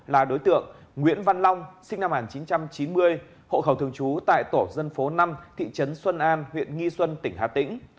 là đối tượng nguyễn văn long sinh năm một nghìn chín trăm chín mươi hộ khẩu thường trú tại tổ dân phố năm thị trấn xuân an huyện nghi xuân tỉnh hà tĩnh